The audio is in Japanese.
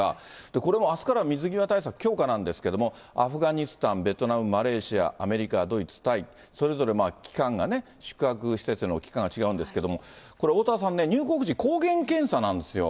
これもあすから水際対策強化なんですけれども、アフガニスタン、ベトナム、マレーシア、アメリカ、ドイツ、タイ、それぞれ期間がね、宿泊施設の期間が違うんですけども、これ、おおたわさんね、入国時、抗原検査なんですよ。